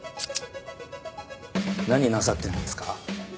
何なさってるんですか？